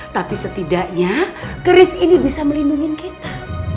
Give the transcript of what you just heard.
tapi setidaknya keris ini bisa melindungi kita